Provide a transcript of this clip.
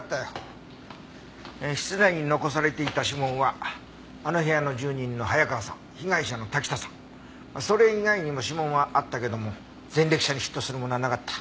室内に残されていた指紋はあの部屋の住人の早川さん被害者の滝田さんそれ以外にも指紋はあったけども前歴者にヒットするものはなかった。